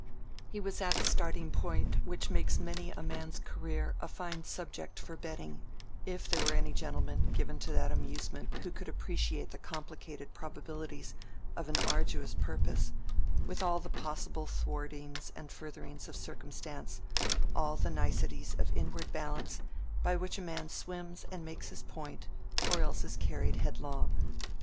He was at a starting point which makes many a man's career a fine subject for betting, if there were any gentlemen given to that amusement who could appreciate the complicated probabilities of an arduous purpose, with all the possible thwartings and furtherings of circumstance, all the niceties of inward balance, by which a man swims and makes his point or else is carried headlong.